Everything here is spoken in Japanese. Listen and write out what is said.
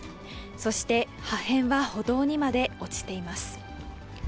そして破片は歩道にまで落ちています。